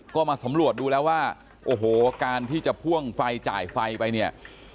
ก็มาสำรวจดูแล้วว่าโอ้โหการที่จะพ่วงไฟจ่ายไฟไปเนี่ย